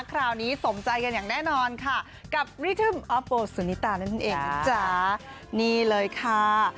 คราวนี้สมใจกันอย่างแน่นอนค่ะกับนั่นเองจ้านี่เลยค่ะ